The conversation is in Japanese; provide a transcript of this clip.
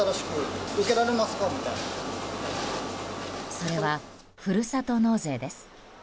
それは、ふるさと納税です。